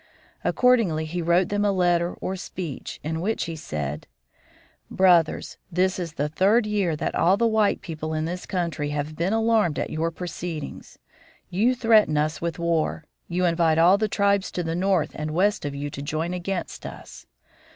Accordingly, he wrote them a letter or speech, in which he said: "Brothers, this is the third year that all the white people in this country have been alarmed at your proceedings; you threaten us with war; you invite all the tribes to the north and west of you to join against us.